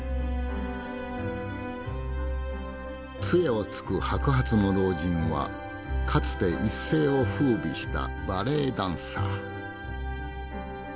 杖をつく白髪の老人はかつて一世を風靡したバレエダンサー。